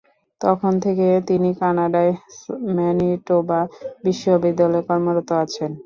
তখন থেকে তিনি কানাডার ম্যানিটোবা বিশ্ববিদ্যালয়ে কর্মরত আছেন।